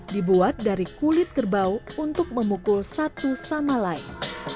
dibuat dari kulit kerbau untuk memukul satu sama lain